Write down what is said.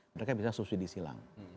mereka bisa subsidi silang